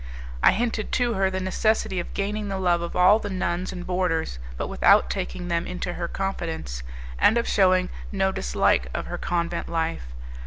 I hinted to her the necessity of gaining the love of all the nuns and boarders, but without taking them into her confidence, and of shewing no dislike of her convent life.